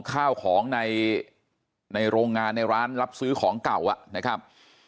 ข้าวของในโรงงานในร้านรับซื้อของเก่านะครับ